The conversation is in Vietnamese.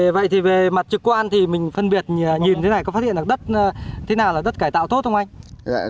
vậy thì về mặt trực quan thì mình phân biệt nhìn thế này có phát hiện được đất thế nào là đất cải tạo tốt không anh